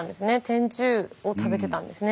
天中を食べてたんですね